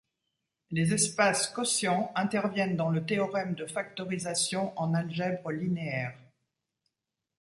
Les espaces quotients interviennent dans le théorème de factorisation en algèbre linéaire.